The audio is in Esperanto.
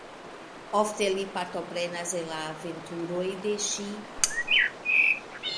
Ofte li partoprenas en la aventuroj de ŝi.